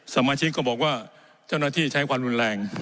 สมาชิกก็บอกว่าเจ้าหน้าที่ใช้ความรุนแรง